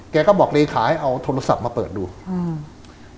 แกก็บอกเลขาให้เอาโทรศัพท์มาเปิดดูอืม